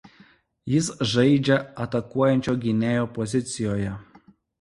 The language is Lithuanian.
Jis žaidžia atakuojančio gynėjo pozicijoje.